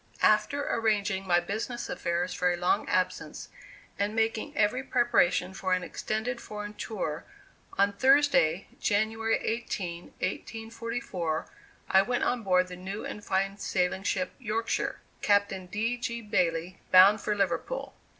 After arranging my business affairs for a long absence, and making every preparation for an extended foreign tour, on Thursday, January 18, 1844, I went on board the new and fine sailing ship "Yorkshire," Captain D. G. Bailey, bound for Liverpool.